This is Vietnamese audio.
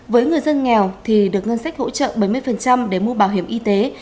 với người dân nghèo thì được ngân sách hỗ trợ bảy mươi để mua bảo hiểm y tế